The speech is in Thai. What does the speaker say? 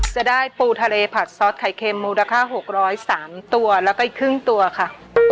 จะได้ปูทะเลผัดซอสไข่เค็มมูลค่า๖๐๓ตัวแล้วก็อีกครึ่งตัวค่ะ